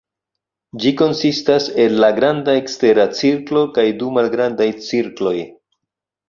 Ĝi konsistas el la granda ekstera cirklo kaj du malgrandaj cirkloj.